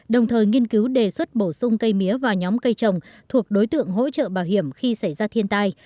đồng thời nghiên cứu đề xuất bổ sung cây mía vào nhóm cây trồng thuộc đối tượng hỗ trợ bảo hiểm khi xảy ra thiên tai